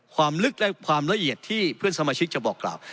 ความลึกและความละเอียดที่เพื่อนสมาชิกจะบอกกล่าว